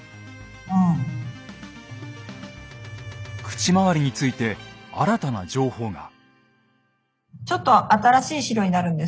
口周りについて新たな情報が。